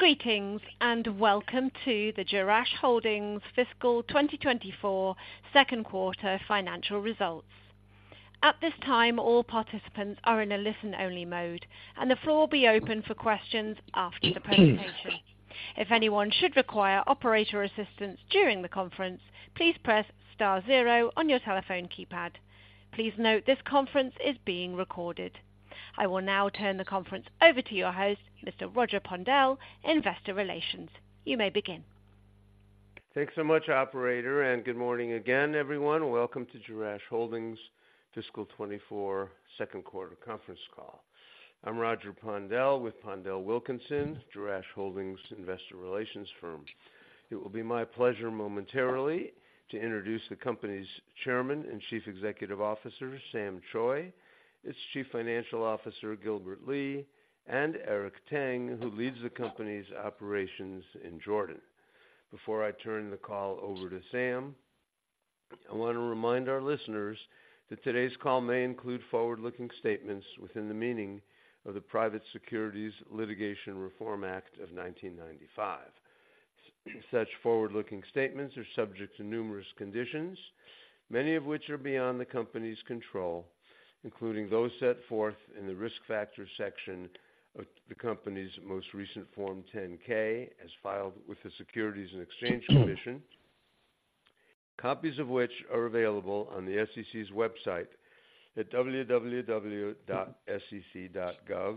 Greetings, and welcome to the Jerash Holdings Fiscal 2024 Second Quarter Financial Results. At this time, all participants are in a listen-only mode, and the floor will be open for questions after the presentation. If anyone should require operator assistance during the conference, please press star zero on your telephone keypad. Please note this conference is being recorded. I will now turn the conference over to your host, Mr. Roger Pondel, Investor Relations. You may begin. Thanks so much, operator, and good morning again, everyone. Welcome to Jerash Holdings Fiscal 2024 second quarter conference call. I'm Roger Pondel with PondelWilkinson, Jerash Holdings' investor relations firm. It will be my pleasure momentarily to introduce the company's Chairman and Chief Executive Officer, Sam Choi, its Chief Financial Officer, Gilbert Lee, and Eric Tang, who leads the company's operations in Jordan. Before I turn the call over to Sam, I want to remind our listeners that today's call may include forward-looking statements within the meaning of the Private Securities Litigation Reform Act of 1995. Such forward-looking statements are subject to numerous conditions, many of which are beyond the company's control, including those set forth in the risk factors section of the company's most recent Form 10-K, as filed with the Securities and Exchange Commission. Copies of which are available on the SEC's website at www.sec.gov,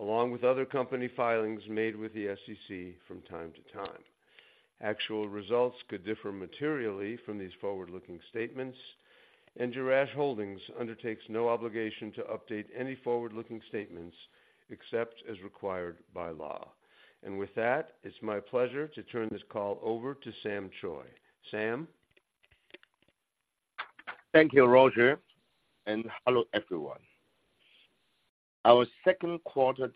along with other company filings made with the SEC from time to time. Actual results could differ materially from these forward-looking statements, and Jerash Holdings undertakes no obligation to update any forward-looking statements except as required by law. With that, it's my pleasure to turn this call over to Sam Choi. Sam? Thank you, Roger, and hello, everyone. Our second quarter's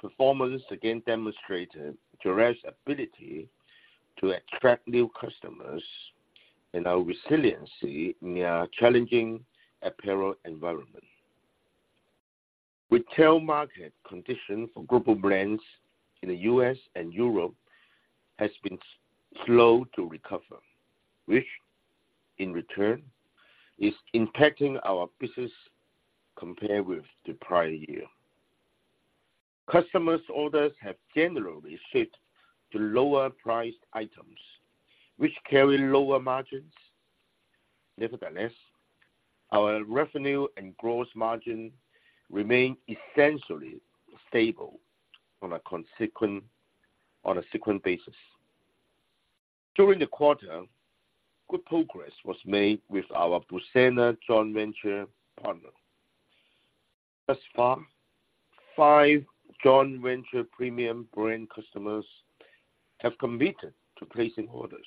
performance again demonstrated Jerash ability to attract new customers and our resiliency in a challenging apparel environment. Retail market condition for global brands in the U.S. and Europe has been slow to recover, which in turn is impacting our business compared with the prior year. Customers' orders have generally shifted to lower priced items, which carry lower margins. Nevertheless, our revenue and gross margin remain essentially stable on a constant, on a sequential basis. During the quarter, good progress was made with our Busana joint venture partner. Thus far, five joint venture premium brand customers have committed to placing orders.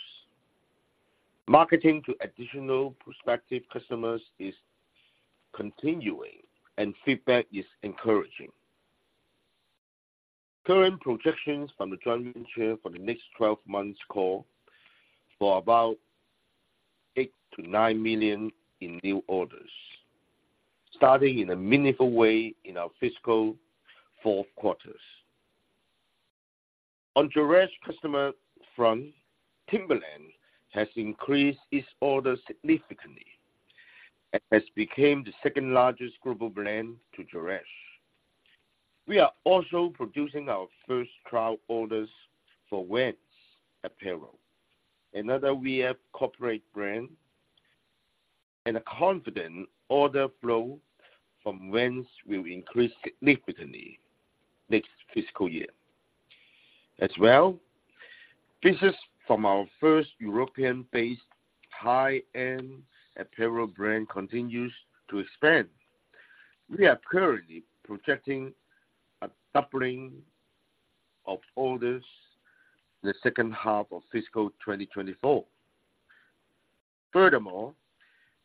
Marketing to additional prospective customers is continuing, and feedback is encouraging. Current projections from the joint venture for the next 12 months call for about $8-$9 million in new orders, starting in a meaningful way in our fiscal fourth quarter. On Jerash customer front, Timberland has increased its orders significantly and has become the second-largest global brand to Jerash. We are also producing our first trial orders for Vans apparel, another VF Corp brand, and a confident order flow from Vans will increase significantly next fiscal year. As well, business from our first European-based high-end apparel brand continues to expand. We are currently projecting a doubling of orders in the second half of fiscal 2024. Furthermore,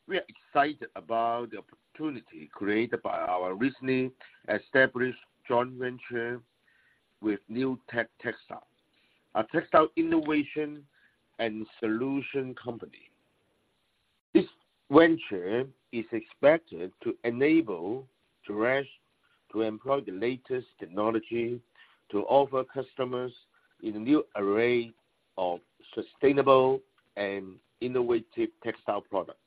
we are excited about the opportunity created by our recently established joint venture with New Tech Textile, a textile innovation and solution company. This venture is expected to enable Jerash to employ the latest technology to offer customers in a new array of sustainable and innovative textile products.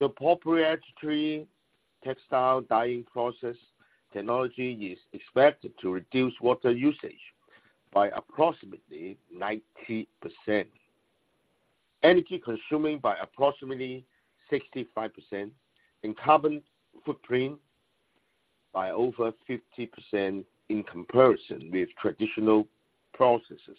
The proprietary textile dyeing process technology is expected to reduce water usage by approximately 90%, energy consuming by approximately 65%, and carbon footprint by over 50% in comparison with traditional processes.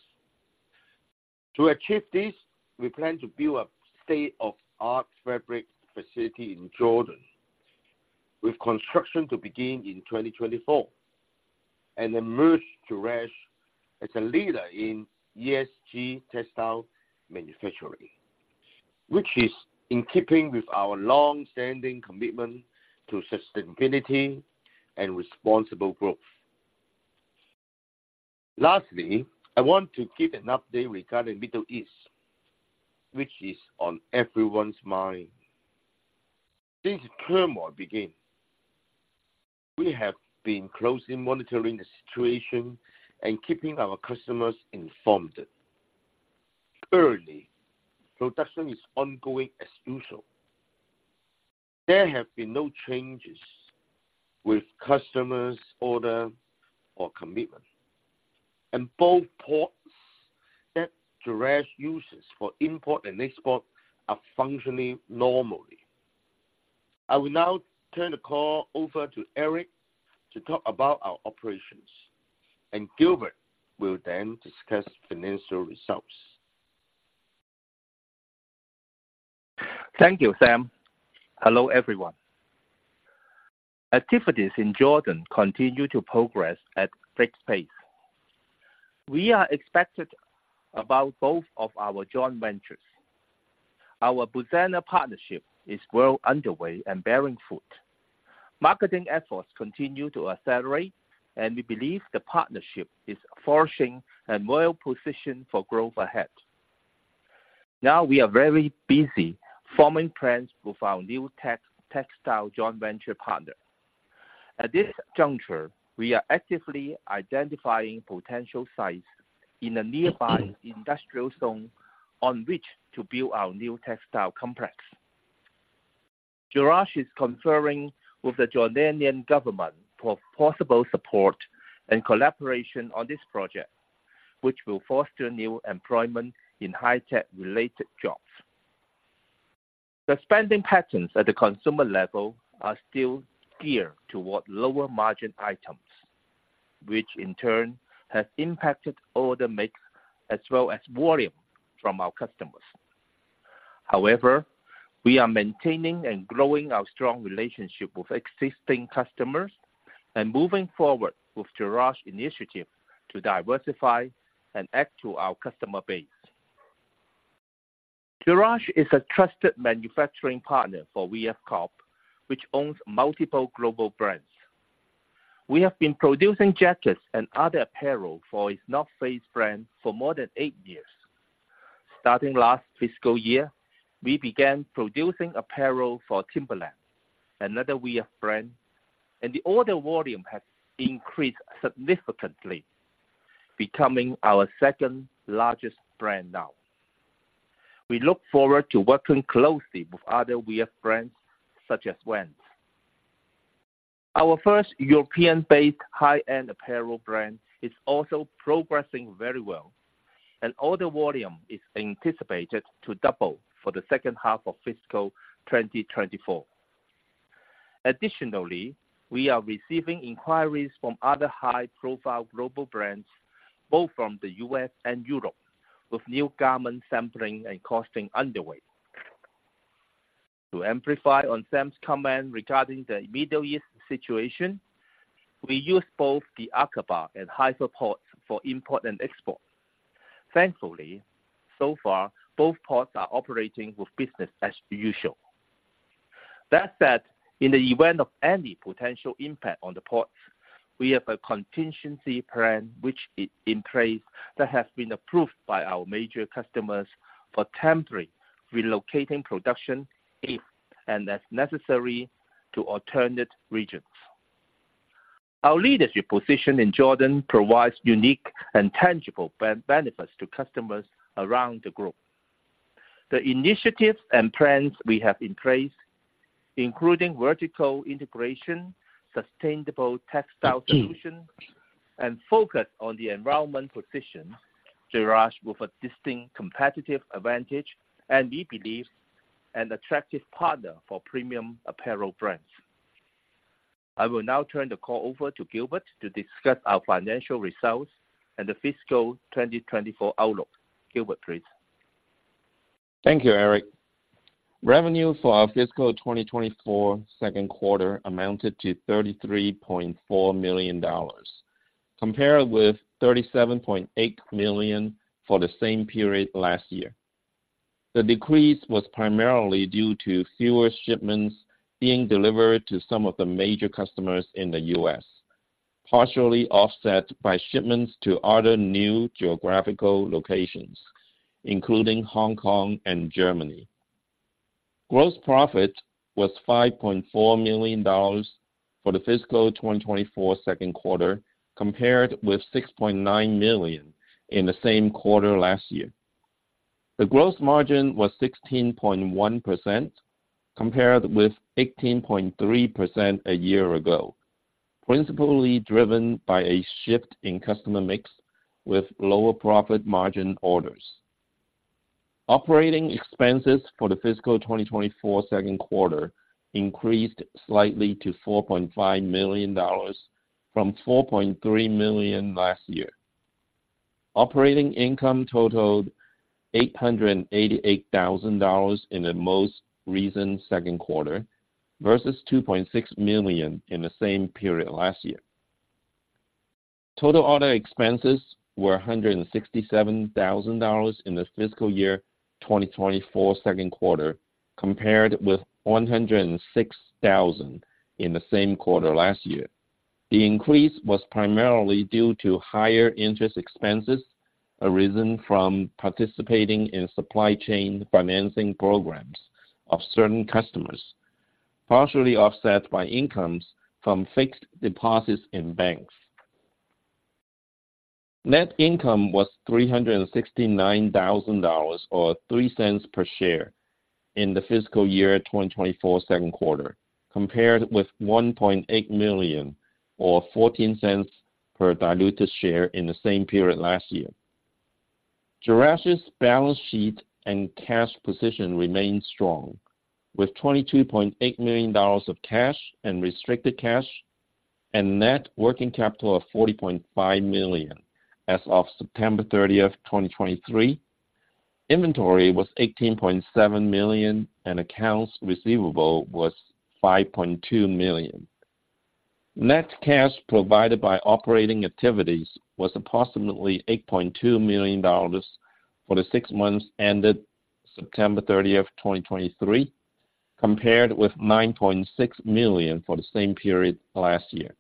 To achieve this, we plan to build a state-of-the-art fabric facility in Jordan, with construction to begin in 2024, and emerge Jerash as a leader in ESG textile manufacturing, which is in keeping with our long-standing commitment to sustainability and responsible growth. Lastly, I want to give an update regarding Middle East, which is on everyone's mind. Since turmoil began, we have been closely monitoring the situation and keeping our customers informed. Currently, production is ongoing as usual. There have been no changes with customers' order or commitment, and both ports that Jerash uses for import and export are functioning normally. I will now turn the call over to Eric to talk about our operations, and Gilbert will then discuss financial results. Thank you, Sam. Hello, everyone. Activities in Jordan continue to progress at a quick pace. We are excited about both of our joint ventures. Our Busana partnership is well underway and bearing fruit. Marketing efforts continue to accelerate, and we believe the partnership is forging a loyal position for growth ahead. Now, we are very busy forming plans with our New Tech Textile joint venture partner. At this juncture, we are actively identifying potential sites in a nearby industrial zone on which to build our new textile complex. Jerash is conferring with the Jordanian government for possible support and collaboration on this project, which will foster new employment in high-tech related jobs. The spending patterns at the consumer level are still geared toward lower-margin items, which in turn has impacted order mix as well as volume from our customers. However, we are maintaining and growing our strong relationship with existing customers and moving forward with Jerash initiative to diversify and add to our customer base. Jerash is a trusted manufacturing partner for VF Corp, which owns multiple global brands. We have been producing jackets and other apparel for its North Face brand for more than eight years. Starting last fiscal year, we began producing apparel for Timberland, another VF brand, and the order volume has increased significantly, becoming our second-largest brand now. We look forward to working closely with other VF brands, such as Vans. Our first European-based high-end apparel brand is also progressing very well, and order volume is anticipated to double for the second half of fiscal 2024. Additionally, we are receiving inquiries from other high-profile global brands, both from the U.S. and Europe, with new garment sampling and costing underway. To amplify on Sam's comment regarding the Middle East situation, we use both the Aqaba and Haifa ports for import and export. Thankfully, so far, both ports are operating with business as usual. That said, in the event of any potential impact on the ports, we have a contingency plan which is in place that has been approved by our major customers for temporarily relocating production, if and as necessary, to alternate regions. Our leadership position in Jordan provides unique and tangible benefits to customers around the group. The initiatives and plans we have in place, including vertical integration, sustainable textile solutions, and a focus on the environment, position Jerash with a distinct competitive advantage, and we believe an attractive partner for premium apparel brands. I will now turn the call over to Gilbert to discuss our financial results and the fiscal 2024 outlook. Gilbert, please. Thank you, Eric. Revenue for our fiscal 2024 second quarter amounted to $33.4 million, compared with $37.8 million for the same period last year. The decrease was primarily due to fewer shipments being delivered to some of the major customers in the U.S., partially offset by shipments to other new geographical locations, including Hong Kong and Germany. Gross profit was $5.4 million for the fiscal 2024 second quarter, compared with $6.9 million in the same quarter last year. The gross margin was 16.1%, compared with 18.3% a year ago, principally driven by a shift in customer mix with lower profit margin orders. Operating expenses for the fiscal 2024 second quarter increased slightly to $4.5 million from $4.3 million last year. Operating income totaled $888,000 in the most recent second quarter versus $2.6 million in the same period last year. Total other expenses were $167,000 in the fiscal year 2024 second quarter, compared with $106,000 in the same quarter last year. The increase was primarily due to higher interest expenses arisen from participating in supply chain financing programs of certain customers, partially offset by incomes from fixed deposits in banks. Net income was $369,000 or $0.03 per share in the fiscal year 2024 second quarter, compared with $1.8 million, or $0.14 per diluted share in the same period last year. Jerash's balance sheet and cash position remains strong, with $22.8 million of cash and restricted cash, and net working capital of $40.5 million. As of September 30, 2023, inventory was $18.7 million, and accounts receivable was $5.2 million. Net cash provided by operating activities was approximately $8.2 million for the six months ended September 30, 2023, compared with $9.6 million for the same period last year.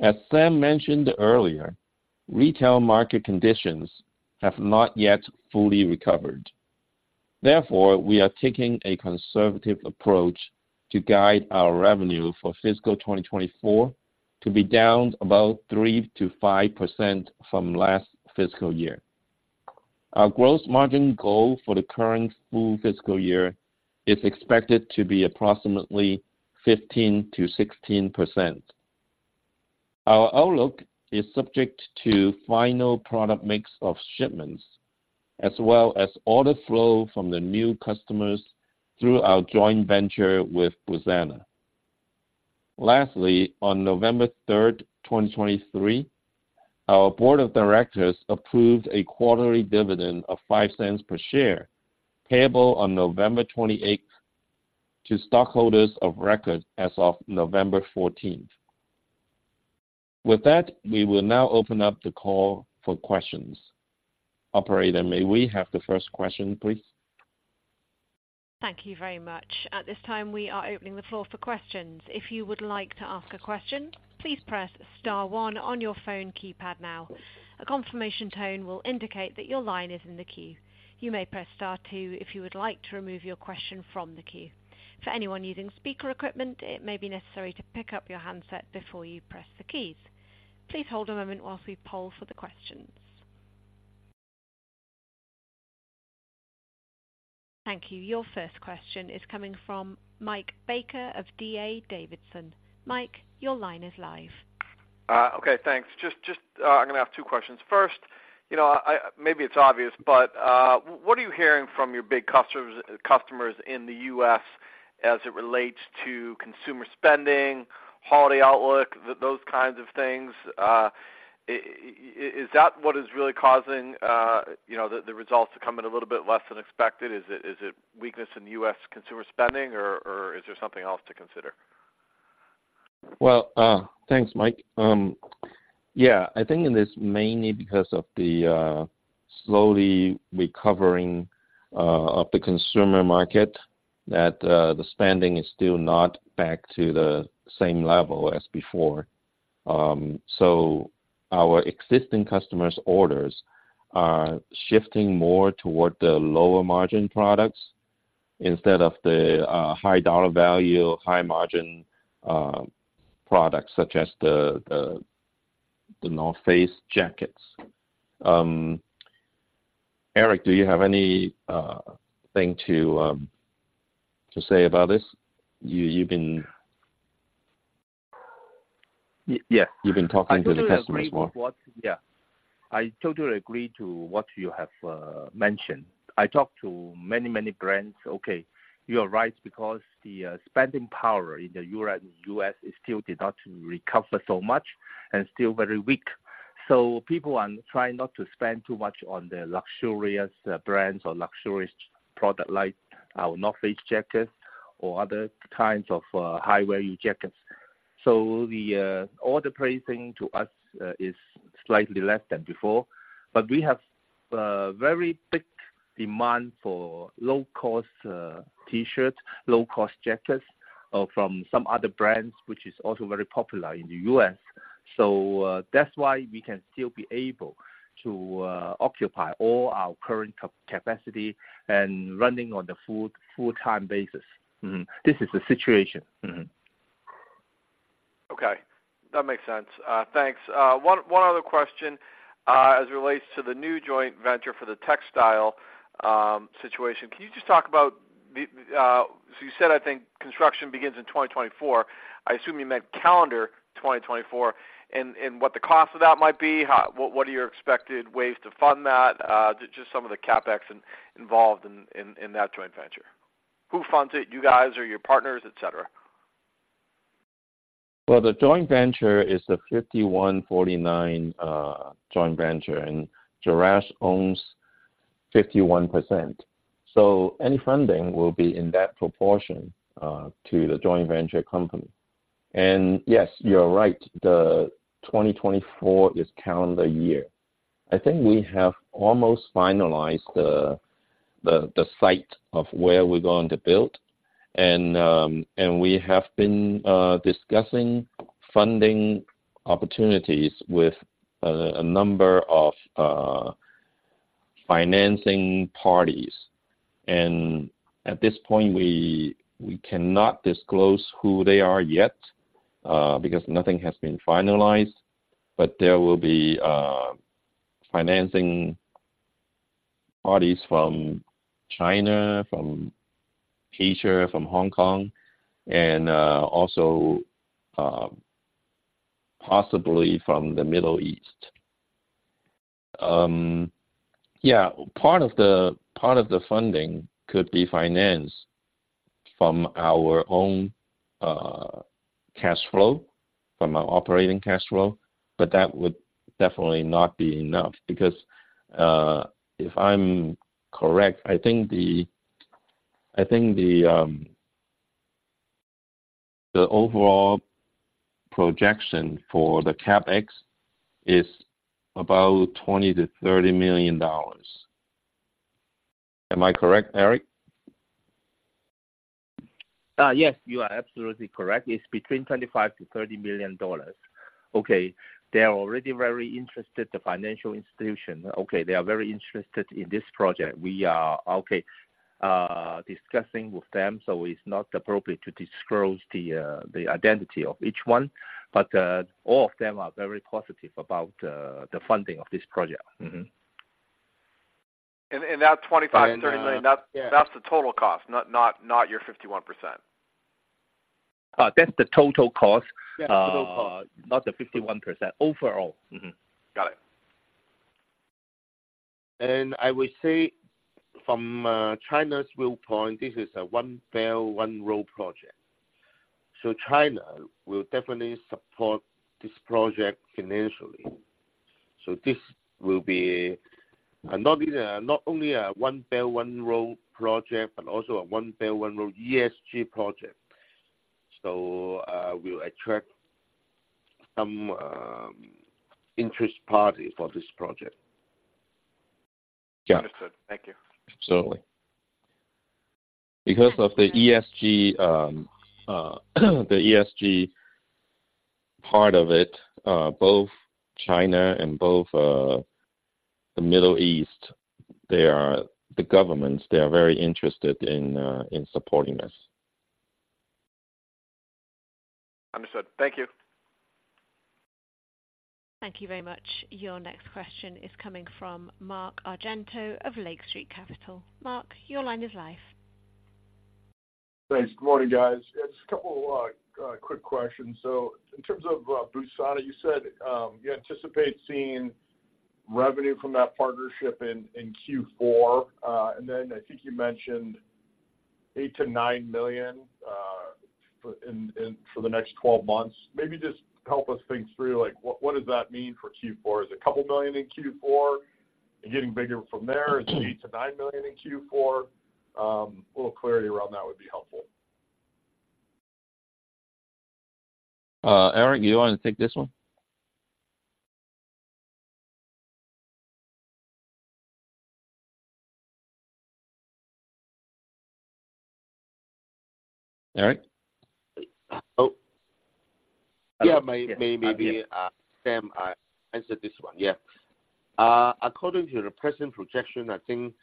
As Sam mentioned earlier, retail market conditions have not yet fully recovered. Therefore, we are taking a conservative approach to guide our revenue for fiscal 2024 to be down about 3%-5% from last fiscal year. Our gross margin goal for the current full fiscal year is expected to be approximately 15%-16%. Our outlook is subject to final product mix of shipments, as well as order flow from the new customers through our joint venture with Busana. Lastly, on November 3rd, 2023, our board of directors approved a quarterly dividend of $0.05 per share, payable on November 28th, to stockholders of record as of November 14. With that, we will now open up the call for questions. Operator, may we have the first question, please? Thank you very much. At this time, we are opening the floor for questions. If you would like to ask a question, please press star one on your phone keypad now. A confirmation tone will indicate that your line is in the queue. You may press star two if you would like to remove your question from the queue. For anyone using speaker equipment, it may be necessary to pick up your handset before you press the keys. Please hold a moment while we poll for the questions. Thank you. Your first question is coming from Mike Baker of D.A. Davidson. Mike, your line is live. Okay, thanks. Just, I'm gonna ask two questions. First, you know, maybe it's obvious, but what are you hearing from your big customers, customers in the U.S. as it relates to consumer spending, holiday outlook, those kinds of things? Is that what is really causing, you know, the results to come in a little bit less than expected? Is it weakness in US consumer spending, or is there something else to consider? Well, thanks, Mike. Yeah, I think it is mainly because of the slowly recovering of the consumer market, that the spending is still not back to the same level as before. So our existing customers' orders are shifting more toward the lower margin products instead of the high dollar value, high margin products, such as The North Face jackets. Eric, do you have anything to say about this? You, you've been- Y- yes. You've been talking to the customers more. Yeah. I totally agree to what you have mentioned. I talked to many, many brands. Okay, you are right, because the spending power in the Europe and U.S. still did not recover so much and still very weak. So people are trying not to spend too much on the luxurious brands or luxurious product, like our North Face jackets or other kinds of high value jackets. So the order pricing to us is slightly less than before, but we have very big demand for low-cost T-shirts, low-cost jackets from some other brands, which is also very popular in the U.S. So that's why we can still be able to occupy all our current capacity and running on the full, full-time basis. Mm-hmm. This is the situation. Mm-hmm. Okay, that makes sense. Thanks. One other question as it relates to the new joint venture for the textile situation. Can you just talk about the. So you said, I think construction begins in 2024. I assume you meant calendar 2024, and what the cost of that might be? What are your expected ways to fund that? Just some of the CapEx involved in that joint venture. Who funds it, you guys or your partners, etc? Well, the joint venture is a 51/49 joint venture, and Jerash owns 51%. So any funding will be in that proportion to the joint venture company. And yes, you're right, the 2024 is calendar year. I think we have almost finalized the site of where we're going to build. And we have been discussing funding opportunities with a number of financing parties. And at this point, we cannot disclose who they are yet because nothing has been finalized. But there will be financing parties from China, from Asia, from Hong Kong, and also possibly from the Middle East. Yeah, part of the, part of the funding could be financed from our own, cash flow, from our operating cash flow, but that would definitely not be enough, because, if I'm correct, I think the, I think the, the overall projection for the CapEx is about $20-$30 million. Am I correct, Eric? Yes, you are absolutely correct. It's between $25-$30 million. Okay, they are already very interested, the financial institution. Okay, they are very interested in this project. We are, okay, discussing with them, so it's not appropriate to disclose the, the identity of each one, but, all of them are very positive about, the funding of this project. Mm-hmm. And that $25-$30 million- And, uh- That's the total cost, not your 51%? That's the total cost. Yeah, total cost... not the 51%. Overall. Mm-hmm. Got it. I would say from China's viewpoint, this is a One Belt, One Road project. So China will definitely support this project financially. So this will be not only, not only a One Belt, One Road project, but also a One Belt, One Road ESG project. So we'll attract some interest parties for this project. Yeah. Understood. Thank you. Absolutely. Because of the ESG, the ESG part of it, both China and both the Middle East, they are... the governments. They are very interested in in supporting us. Understood. Thank you. Thank you very much. Your next question is coming from Mark Argento of Lake Street Capital. Mark, your line is live. Thanks. Good morning, guys. Just a couple of quick questions. So in terms of Busana, you said you anticipate seeing revenue from that partnership in Q4. And then I think you mentioned $8-$9 million for the next 12 months. Maybe just help us think through, like, what does that mean for Q4? Is $2 million in Q4 and getting bigger from there? Is it $8-$9 million in Q4? A little clarity around that would be helpful. Eric, do you want to take this one? Eric? Oh, yeah. Maybe Sam answer this one. Yeah. According to the present projection, I think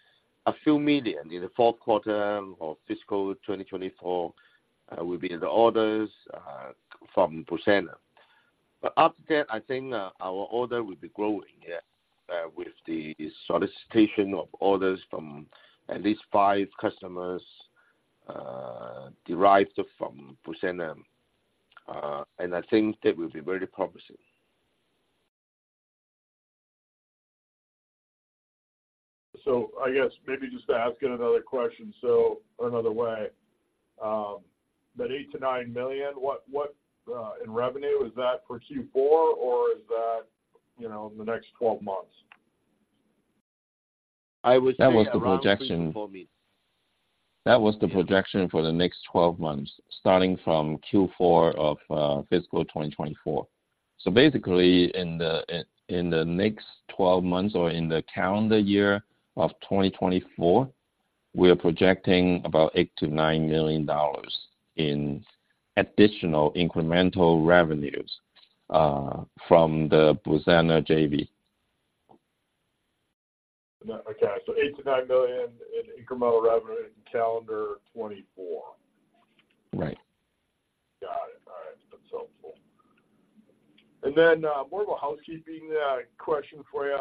$a few million in the fourth quarter of fiscal 2024 will be in the orders from Busana. But after that, I think our order will be growing, yeah, with the solicitation of orders from at least five customers derived from Busana. And I think that will be very promising. I guess maybe just asking another question, so another way. That $8-$9 million, what in revenue, is that for Q4, or is that, you know, in the next 12 months? I would say- That was the projection- Around Q4. That was the projection for the next 12 months, starting from Q4 of fiscal 2024. So basically, in the next 12 months or in the calendar year of 2024, we are projecting about $8-$9 million in additional incremental revenues from the Busana JV. Okay. So $8-9 million in incremental revenue in calendar 2024. Right. Got it. All right. That's helpful. And then, more of a housekeeping question for you,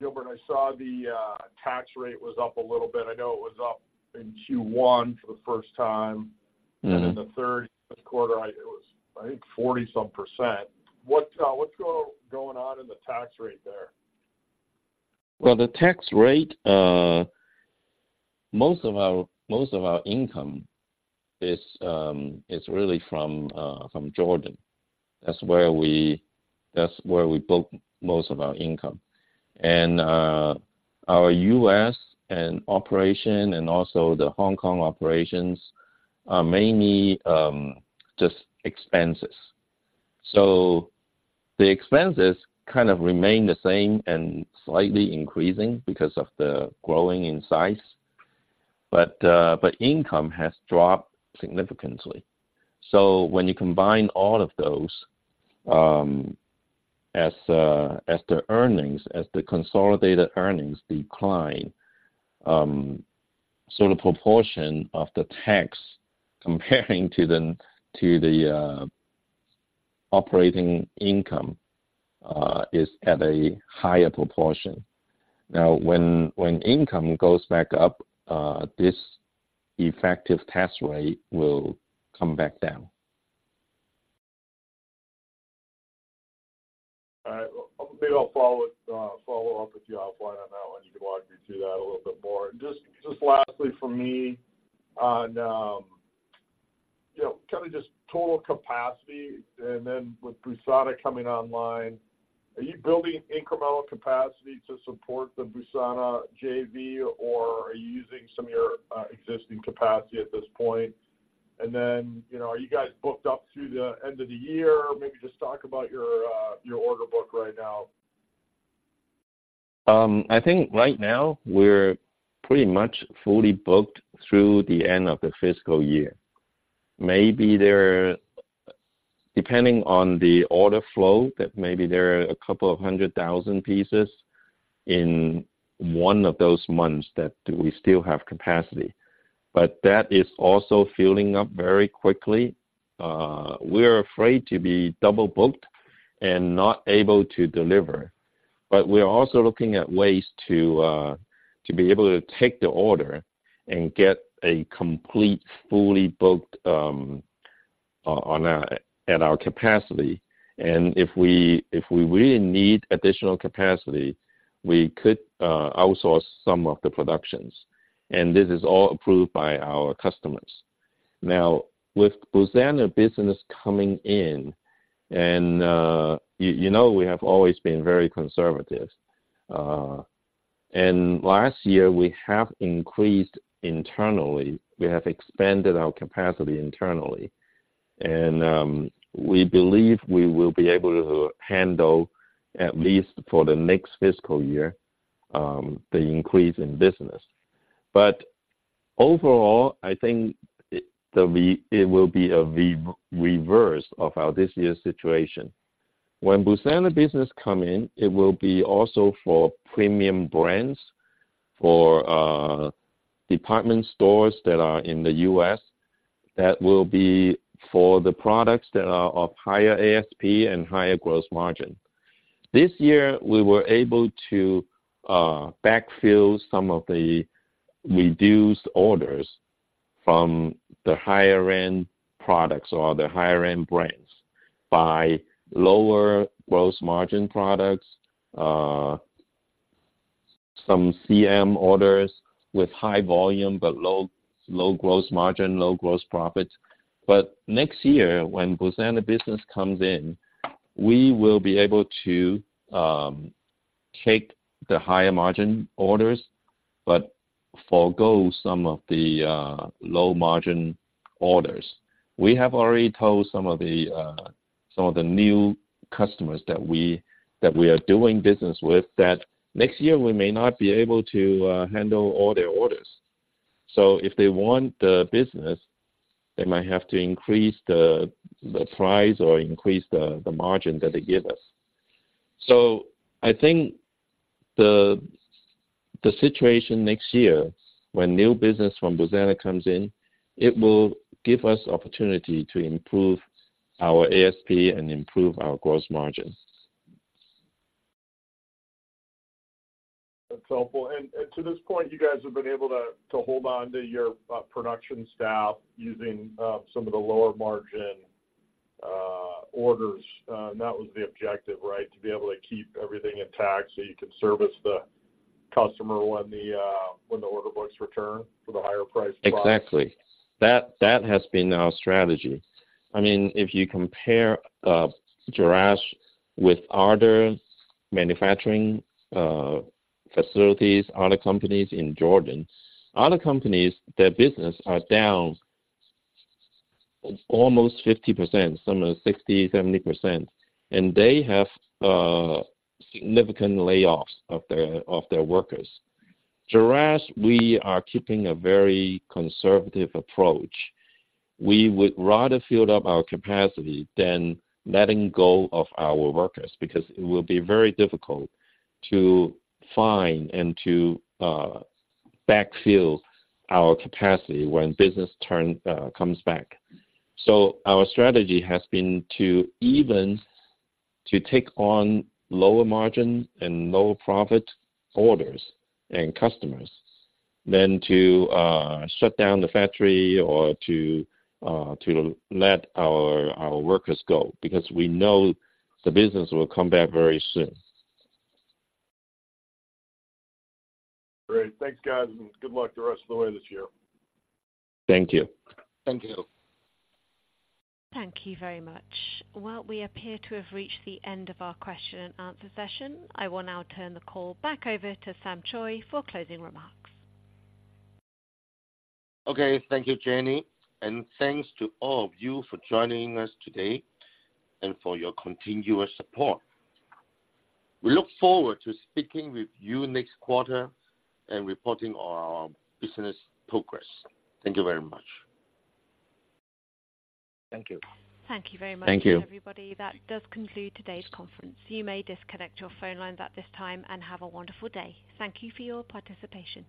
Gilbert. I saw the tax rate was up a little bit. I know it was up in Q1 for the first time. Mm-hmm. And then the third quarter, it was, I think, 40-some%. What's going on in the tax rate there? Well, the tax rate, most of our, most of our income is, is really from, from Jordan. That's where we, that's where we book most of our income. And, our U.S. operation and also the Hong Kong operations are mainly, just expenses.... So the expenses kind of remain the same and slightly increasing because of the growing in size, but, but income has dropped significantly. So when you combine all of those, as, as the earnings, as the consolidated earnings decline, so the proportion of the tax comparing to the, to the, operating income, is at a higher proportion. Now, when, when income goes back up, this effective tax rate will come back down. All right. Well, maybe I'll follow up with you offline on that one. You can walk me through that a little bit more. Just lastly for me on, you know, kind of just total capacity and then with Busana coming online, are you building incremental capacity to support the Busana JV, or are you using some of your existing capacity at this point? And then, you know, are you guys booked up through the end of the year? Or maybe just talk about your order book right now. I think right now we're pretty much fully booked through the end of the fiscal year. Maybe there, depending on the order flow, that maybe there are a couple of 100,000 pieces in one of those months that we still have capacity, but that is also filling up very quickly. We're afraid to be double-booked and not able to deliver, but we're also looking at ways to be able to take the order and get a complete, fully booked, on our, at our capacity. And if we, if we really need additional capacity, we could outsource some of the productions, and this is all approved by our customers. Now, with Busana business coming in, and, you know, we have always been very conservative. And last year, we have increased internally. We have expanded our capacity internally, and we believe we will be able to handle, at least for the next fiscal year, the increase in business. But overall, I think that it will be a reverse of our this year's situation. When Busana business come in, it will be also for premium brands, for department stores that are in the U.S., that will be for the products that are of higher ASP and higher gross margin. This year, we were able to backfill some of the reduced orders from the higher-end products or the higher-end brands by lower gross margin products, some CM orders with high volume, but low gross margin, low gross profit. But next year, when Busana business comes in, we will be able to take the higher margin orders, but forgo some of the low margin orders. We have already told some of the new customers that we are doing business with that next year we may not be able to handle all their orders. So if they want the business, they might have to increase the price or increase the margin that they give us. So I think the situation next year, when new business from Busana comes in, it will give us opportunity to improve our ASP and improve our gross margin. That's helpful. And to this point, you guys have been able to hold on to your production staff using some of the lower margin orders. And that was the objective, right? To be able to keep everything intact so you can service the customer when the order books return for the higher priced products. Exactly. That, that has been our strategy. I mean, if you compare, Jerash with other manufacturing facilities, other companies in Jordan, other companies, their business are down almost 50%, some are 60%, 70%, and they have significant layoffs of their, of their workers. Jerash, we are keeping a very conservative approach. We would rather fill up our capacity than letting go of our workers, because it will be very difficult to find and to backfill our capacity when business turn comes back. So our strategy has been to even to take on lower margin and low-profit orders and customers than to shut down the factory or to to let our, our workers go, because we know the business will come back very soon. Great. Thanks, guys, and good luck the rest of the way this year. Thank you. Thank you. Thank you very much. Well, we appear to have reached the end of our question and answer session. I will now turn the call back over to Sam Choi for closing remarks. Okay, thank you, Jenny, and thanks to all of you for joining us today and for your continuous support. We look forward to speaking with you next quarter and reporting on our business progress. Thank you very much. Thank you. Thank you very much- Thank you... everybody. That does conclude today's conference. You may disconnect your phone lines at this time and have a wonderful day. Thank you for your participation.